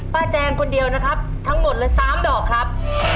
แจงคนเดียวนะครับทั้งหมดเลย๓ดอกครับ